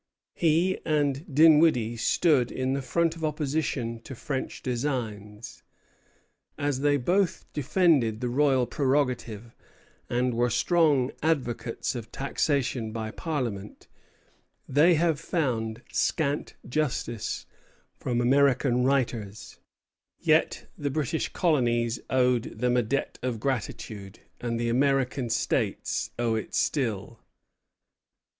He and Dinwiddie stood in the front of opposition to French designs. As they both defended the royal prerogative and were strong advocates of taxation by Parliament, they have found scant justice from American writers. Yet the British colonies owed them a debt of gratitude, and the American States owe it still.